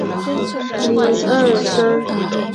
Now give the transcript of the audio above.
少部分落在其它音节上。